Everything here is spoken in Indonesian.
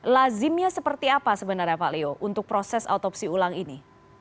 lazimnya seperti apa sebenarnya pak leo untuk proses autopsi ulang ini